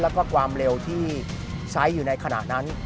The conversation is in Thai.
แล้วก็ความเร็วที่ใช้อยู่ในขณะนั้น